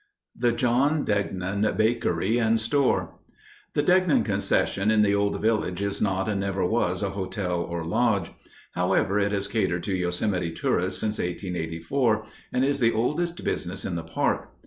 The John Degnan Bakery and Store The Degnan concession in the "Old Village" is not and never was a hotel or lodge. However, it has catered to Yosemite tourists since 1884 and is the oldest business in the park.